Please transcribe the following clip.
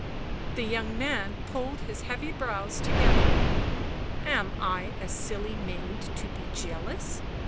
The young man pulled his heavy brows together. "Am I a silly maid to be jealous?